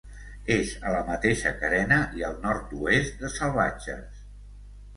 És a la mateixa carena i al nord-oest de Salvatges.